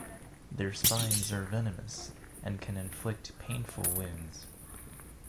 Their spines are venomous, and can inflict painful wounds.